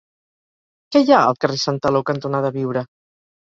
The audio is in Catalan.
Què hi ha al carrer Santaló cantonada Biure?